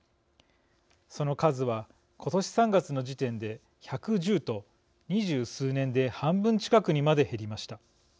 その数は、今年３月の時点で１１０と、二十数年で半分近くにまで減りました。